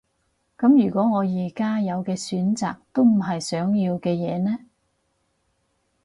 噉如果我而家有嘅選擇都唔係想要嘅嘢呢？